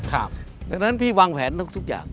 ดังนั้นพี่วางแผนทุกอย่าง